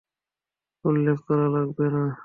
উল্লেখ করা লাগবে না।